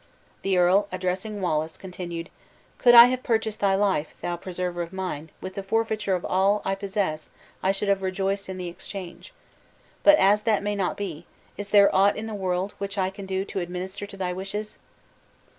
The earl, addressing Wallace, continued: "Could I have purchased thy life, thou preserver of mine, with the forfeiture of all I possess I should have rejoiced in the exchange. But as that may not be, is there aught in the world which I can do to administer to thy wishes?"